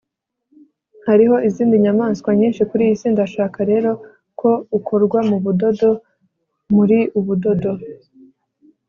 hariho izindi nyamaswa nyinshi kuri iyi si, ndashaka rero ko ukorwa mu budodo. muri ubudodo